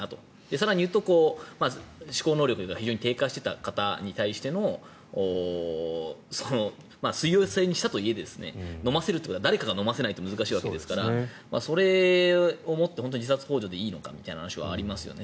更に言うと、思考能力が非常に低下していた方に対しての水溶性にしたとはいえ飲ませるということは誰かが飲ませないと難しいわけですからそれをもって自殺ほう助でいいのかという話はありますよね。